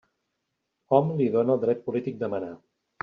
Hom li dóna el dret polític de manar.